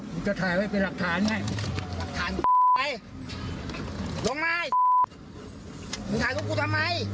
มึงจะถ่ายไว้เป็นหลักฐานไงหลักฐานลงไปมึงถ่ายรูปกูทำไม